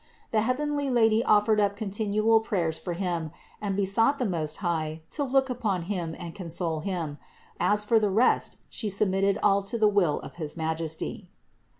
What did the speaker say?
The heavenly Lady offered up continual prayers for him and besought the Most High to look upon him and console him ; as for the rest She submitted all to the will of his Majesty.